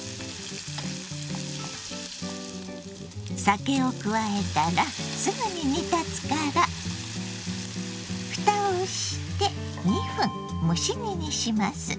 酒を加えたらすぐに煮立つからふたをして２分蒸し煮にします。